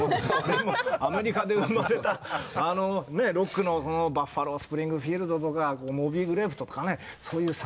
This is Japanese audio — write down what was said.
もうアメリカで生まれたロックのバッファロー・スプリングフィールドとかモビー・グレープとかねそういうサウンドに。